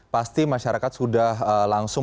pasti masyarakat sudah langsung